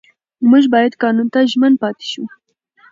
موږ باید قانون ته ژمن پاتې شو